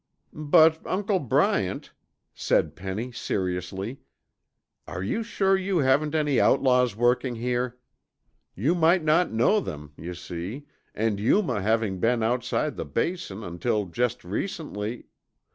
"But, Uncle Bryant," said Penny seriously, "are you sure you haven't any outlaws working here? You might not know them, you see, and Yuma having been outside the Basin until just recently...."